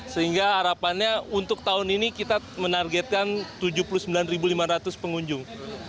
sehingga harapannya untuk tahun ini kita menargetkan tujuh puluh sembilan lima ratus pengunjung